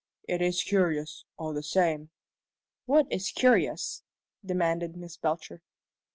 "It is curious, all the same." "What is curious?" demanded Miss Belcher.